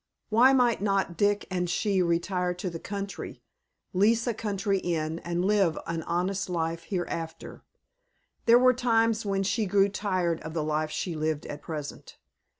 Why might not Dick and she retire to the country, lease a country inn, and live an honest life hereafter. There were times when she grew tired of the life she lived at present.